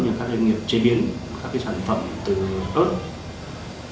những các doanh nghiệp chế biến các sản phẩm từ ớt